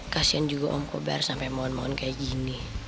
kasian juga om kobar sampai mau mauan kayak gini